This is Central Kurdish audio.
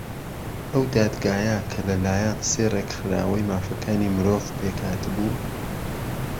ئەو دادگایە کە لەلایەن سێ ڕێکخراوەی مافەکانی مرۆڤ پێک هاتبوو